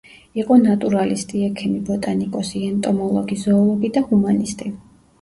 იყო ნატურალისტი, ექიმი, ბოტანიკოსი, ენტომოლოგი, ზოოლოგი და ჰუმანისტი.